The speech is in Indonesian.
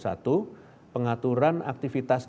yaitu penduduk usia kurang dari dua belas tahun